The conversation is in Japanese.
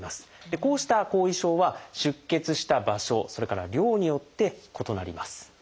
こうした後遺症は出血した場所それから量によって異なります。